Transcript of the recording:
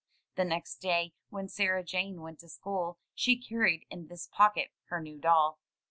The next day, when Sarah Jane went to school, she carried in this pocket her new doll.